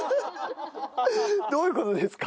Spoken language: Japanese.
どういう事ですか？